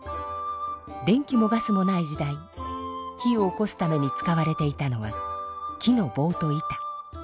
電気もガスもない時代火をおこすために使われていたのは木のぼうと板。